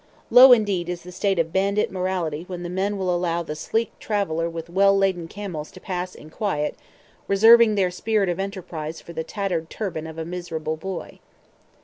Low indeed is the state of bandit morality when men will allow the sleek traveller with well laden camels to pass in quiet, reserving their spirit of enterprise for the tattered turban of a miserable boy.